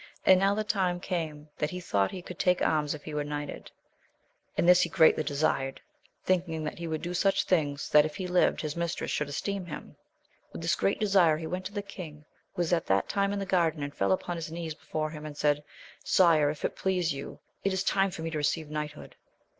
And now the time came that he thought he could take anna if he were kni^l^A., «cA "Cccfii V^ 28 AMADIS OF GAUL. greatly desired, thinking that he would do such things, that, if he lived, his mistress should esteem him. With this desire he went to the king, who was at that time in the garden, and fell upon his knees before him, and said. Sire, if it please you, it is time for me to receive knighthood.